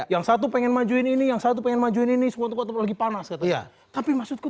yang satu pengen majuin ini yang satu pengen majuin ini suatu lagi panas katanya tapi maksudku